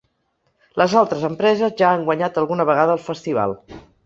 Les altres empreses ja han guanyat alguna vegada el festival.